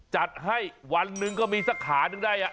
จัดให้วันหนึ่งก็มีสักขานึงได้